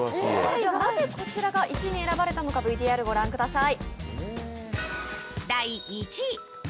なぜこちらが１位に選ばれたのかＶＴＲ御覧ください。